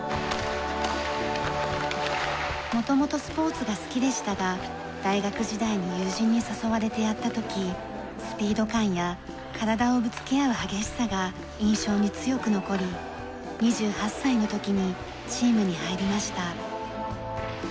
元々スポーツが好きでしたが大学時代に友人に誘われてやった時スピード感や体をぶつけ合う激しさが印象に強く残り２８歳の時にチームに入りました。